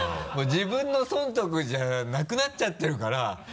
自分の損得じゃなくなっちゃってるから。